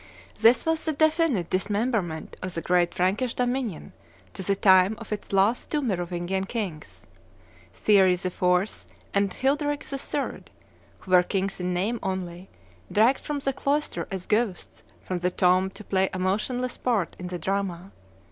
This was the definitive dismemberment of the great Frankish dominion to the time of its last two Merovingian kings, Thierry IV. and Childeric III., who were kings in name only, dragged from the cloister as ghosts from the tomb to play a motionless part in the drama.